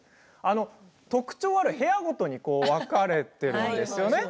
特徴ある部屋ごとに分かれているんですよね。